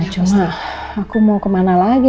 cuma aku mau kemana lagi